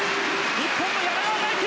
日本の柳川大樹。